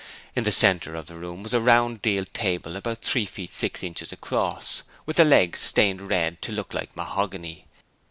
In the centre of the room was a round deal table about three feet six inches across, with the legs stained red to look like mahogany.